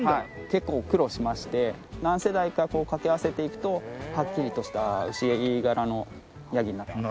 結構苦労しまして何世代か掛け合わせていくとはっきりとしたウシヤギ柄のヤギになっていく。